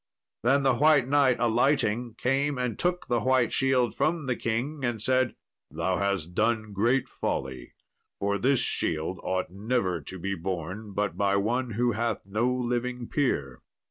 Then the White Knight alighting, came and took the white shield from the king, and said, "Thou hast done great folly, for this shield ought never to be borne but by one who hath no living peer."